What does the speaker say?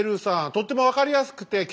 とっても分かりやすくて貴重な。